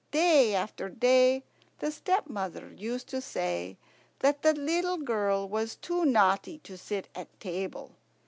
Day after day the stepmother used to say that the little girl was too naughty to sit at table.